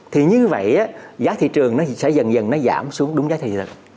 thì như vậy giá thị trường nó sẽ dần dần nó giảm xuống đúng giá thị thực